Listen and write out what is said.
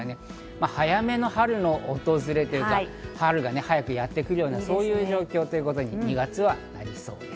早めの春の訪れ、春が早くやってくるような状況に２月はなりそうです。